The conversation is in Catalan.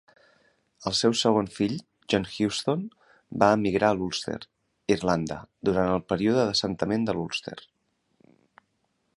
El seu segon fill John Houston va emigrar a l'Ulster, Irlanda durant el període d'assentament de l'Ulster.